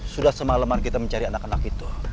sudah semalaman kita mencari anak anak itu